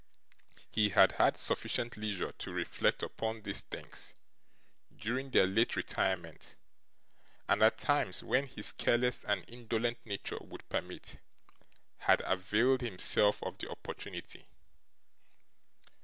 He had had sufficient leisure to reflect upon these things, during their late retirement; and, at times, when his careless and indolent nature would permit, had availed himself of the opportunity.